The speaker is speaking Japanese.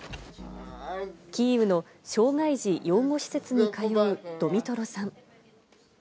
キーウの障がい児養護施設に通うドミトロさん。